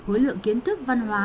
khối lượng kiến thức văn hóa